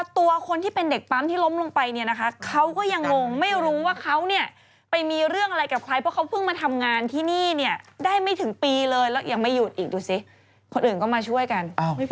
ตัวคนที่เป็นเด็กปั๊มที่ล้มลงไปเนี่ยนะคะเขาก็ยังงงไม่รู้ว่าเขาเนี่ยไปมีเรื่องอะไรกับใครเพราะเขาเพิ่งมาทำงานที่นี่เนี่ยได้ไม่ถึงปีเลยแล้วยังไม่หยุดอีกดูสิคนอื่นก็มาช่วยกัน